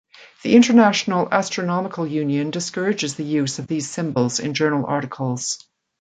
The International Astronomical Union discourages the use of these symbols in journal articles.